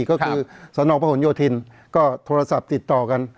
ครับก็คือสนองประหว่นโยธินก็โทรศัพท์ติดต่อกัน